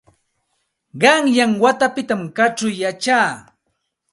Qanyan watapitam kaćhaw yachaa.